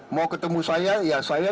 mau ketemu saya ya saya